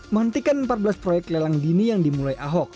menghentikan empat belas proyek lelang dini yang dimulai ahok